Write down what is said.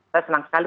saya senang sekali